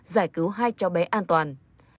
giải cứu hai cháu bé an toàn